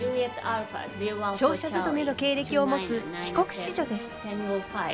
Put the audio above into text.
商社勤めの経歴を持つ帰国子女です。